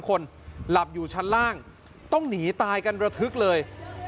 คนหลับอยู่ชั้นล่างต้องหนีตายกันระทึกเลย